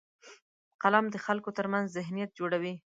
قلم د خلکو ترمنځ ذهنیت جوړوي